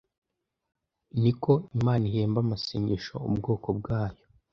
niko Imana ihemba amasengesho ubwoko bwayo